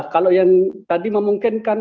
kalau yang tadi memungkinkan